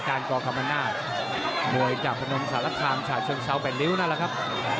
การก่อกำมันหน้ามวยจากผนมศาลทางชาวเชิงเชาแบทริวนั่นแหละครับ